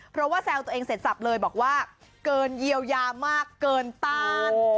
เพราะว่าแซวตัวเองเสร็จสับเลยบอกว่าเกินเยียวยามากเกินต้าน